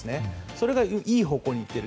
それがいい方向に行っている。